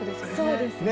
そうですね。